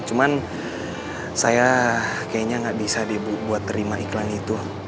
cuman saya kayaknya nggak bisa deh buat terima iklan itu